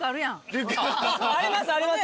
ありますあります。